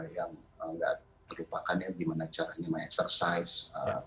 yang tidak terlupakannya gimana caranya mengerjakan